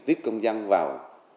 tiếp công dân vào